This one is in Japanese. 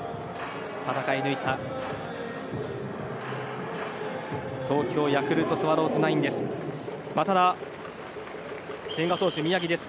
戦い抜いた東京ヤクルトスワローズナインです。